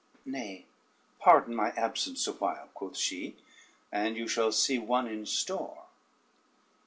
"Nay, pardon my absence a while," quoth she, "and you shall see one in store."